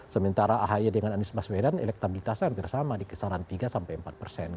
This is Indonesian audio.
sementara ahi dengan anies baswedan elektabilitasnya hampir sama di kesaran tiga empat persen